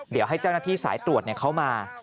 เดี๋ยวให้เจ้าหน้าที่สายตรวจเข้ามา